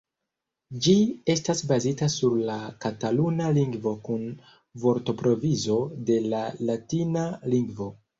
Ĝi estas bazita sur la kataluna lingvo kun vortprovizo de la latina lingvo.